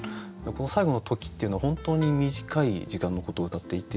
この最後の「時」っていうのは本当に短い時間のことをうたっていて。